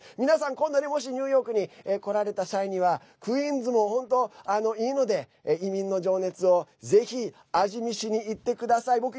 皆さん、今度もしニューヨークに来られた際にはクイーンズも本当、いいので移民の情熱をぜひ味見しにいってください。